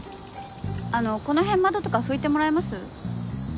あのこの辺窓とか拭いてもらえます？